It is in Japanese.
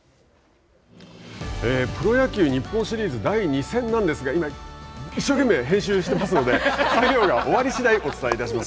プロ野球日本シリーズ第２戦なんですが今、一生懸命編集してますので作業が終わり次第お伝えいたします。